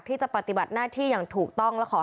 คุณผู้ชมไปฟังเสียงพร้อมกัน